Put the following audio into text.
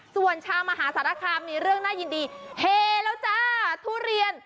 ส่วนชาวมหาสารคามมีเรื่องน่ายินดีเฮแล้วจ้าทุเรียน